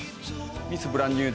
ミス・ブランニュー・デイ。